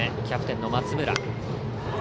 キャプテンの松村。